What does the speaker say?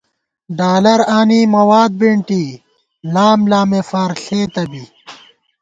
ڈالر آنی، مَواد بېنٹی، لاملامےفار ݪېتہ بی